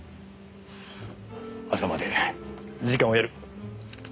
朝まで時間をやる。